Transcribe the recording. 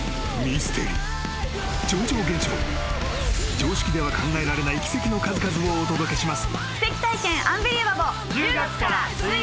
［常識では考えられない奇跡の数々をお届けします］